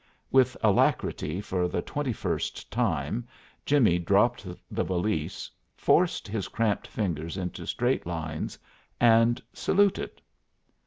With alacrity for the twenty first time Jimmie dropped the valise, forced his cramped fingers into straight lines, and saluted.